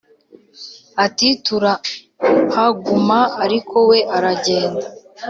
ati"turahaguma ariko we aragenda